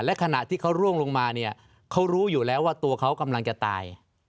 และขณะที่เขาร่วงลงมาเนี่ยเขารู้อยู่แล้วว่าตัวเขากำลังจะตาย